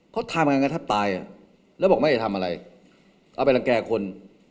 เขาทำกันก็แทบตายอ่ะแล้วบอกไม่ได้ทำอะไรเอาไปรังแก่คน